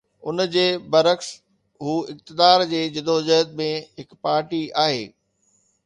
ان جي برعڪس، هو اقتدار جي جدوجهد ۾ هڪ پارٽي آهي.